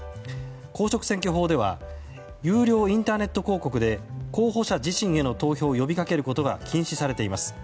公職選挙法では有料インターネット広告で候補者自身への投票を呼び掛けることは禁止されています。